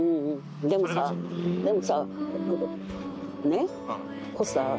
でもさでもさねっ？